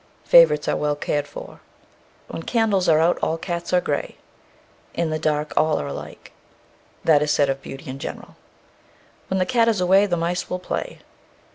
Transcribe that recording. _ Favourites are well cared for. When candles are out all cats are gray. In the dark all are alike. This is said of beauty in general. _When the cat is away the mice will play.